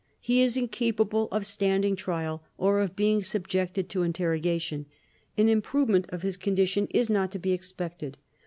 He is incapable of standing trial or of being subjected to interrogation. An improvement of his condition is not to be expected.